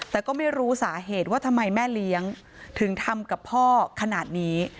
แต่ก็ไม่รู้สาเหตุว่าทำไมแม่เลี้ยงถึงทำกับพ่อขนาดนี้